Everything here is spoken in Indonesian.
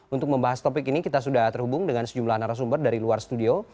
untuk membahas topik ini kita sudah terhubung dengan sejumlah narasumber dari luar studio